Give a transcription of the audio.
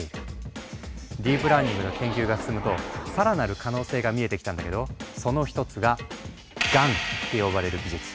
ディープラーニングの研究が進むと更なる可能性が見えてきたんだけどその一つがＧＡＮって呼ばれる技術。